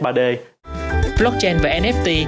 blockchain và nft